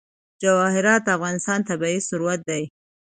جواهرات د افغانستان طبعي ثروت دی.